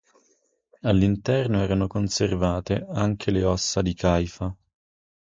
All'interno erano conservate anche le ossa di Caifa.